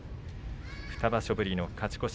２場所ぶりの勝ち越し